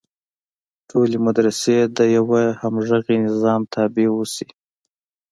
ټولې مدرسې د یوه همغږي نظام تابع اوسي.